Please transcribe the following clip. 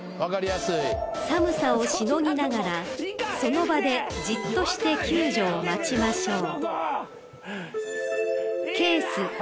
［寒さをしのぎながらその場でじっとして救助を待ちましょう］